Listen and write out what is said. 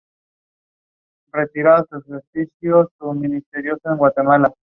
En sus esquinas se sitúan garitas voladas sobre una base cónica.